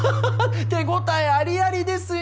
手応えありありですよ。